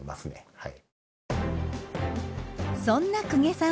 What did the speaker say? はい。